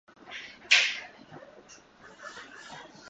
北海道士別市